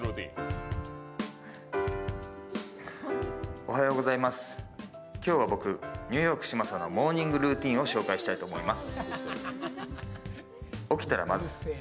おはようございます、今日は僕ニューヨーク嶋佐のモーニングルーティンを紹介したいと思います。